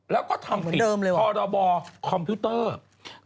แล้วก็ทำผิดพอร์โดบอลคอมพิวเตอร์เหมือนเดิมเลย